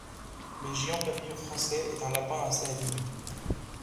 Le géant papillon français est un lapin assez animé.